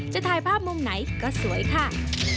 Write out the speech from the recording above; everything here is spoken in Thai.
จะถ่ายภาพมุมไหนก็สวยค่ะ